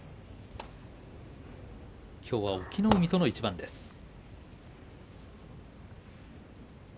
きょうは隠岐の海との一番です。